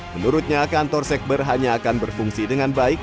menurutnya kantor sekber hanya akan berfungsi dengan baik